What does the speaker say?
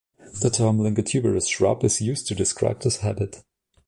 The term lignotuberous shrub is used to describe this habit.